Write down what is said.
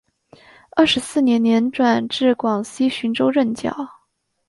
二十四年年转至广西浔州任教。